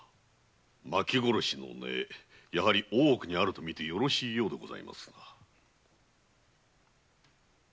麻紀殺しの根やはり大奥にあるとみてよろしいようでございますな。